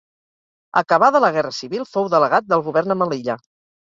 Acabada la guerra civil, fou delegat del Govern a Melilla.